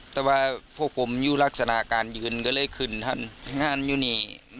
แต่ว่าพวกผมอยู่ลักษณะการยืนก็เลยขึ้นท่านงานอยู่นี่